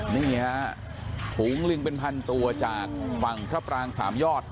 นี่ฮะฝูงลิงเป็นพันตัวจากฝั่งพระปรางสามยอด